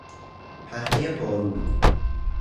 پهنهی پارو